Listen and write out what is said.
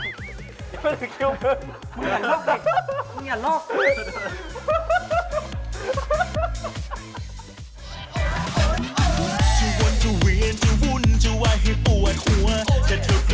มึงอย่าลอก